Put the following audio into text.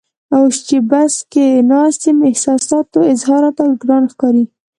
اوس چې بس کې ناست یم احساساتو اظهار راته ګران ښکاري.